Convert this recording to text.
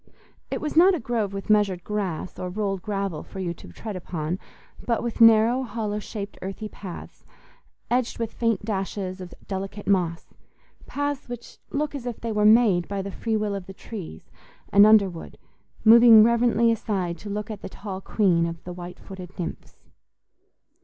It was not a grove with measured grass or rolled gravel for you to tread upon, but with narrow, hollow shaped, earthy paths, edged with faint dashes of delicate moss—paths which look as if they were made by the free will of the trees and underwood, moving reverently aside to look at the tall queen of the white footed nymphs.